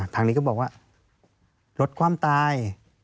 ทางนี้ก็บอกว่าลดความตาย